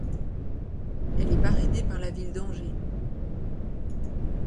Elle est parrainée par la ville d'Angers.